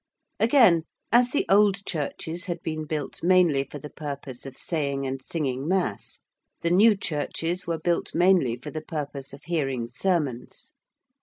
Again, as the old churches had been built mainly for the purpose of saying and singing mass, the new churches were built mainly for the purpose of hearing sermons.